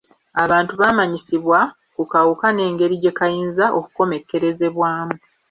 Abantu baamanyisibwa ku kawuka n'engeri gye kayinza okomekerezebwamu.